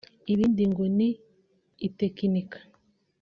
ibindi ngo ni itekinika